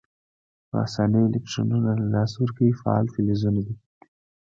په آساني الکترونونه له لاسه ورکونکي فعال فلزونه دي.